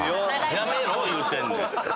やめろ言うてんねん！